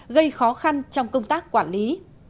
gây khó khăn trong công tác quản lý